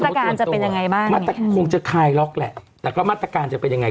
ถ้าสมมติตัวตัวคงจะคายล็อกแหละแต่ก็มาตรการจะเป็นยังไง